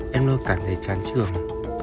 em luôn cảm thấy chán trường